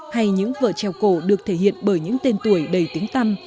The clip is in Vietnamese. hay những vở trèo cổ được thể hiện bởi những tên tuổi đầy tính tâm